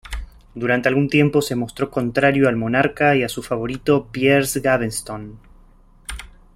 Durante algún tiempo se mostró contrario al monarca y a su favorito Piers Gaveston.